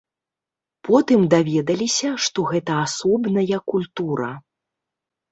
Потым даведаліся, што гэта асобная культура.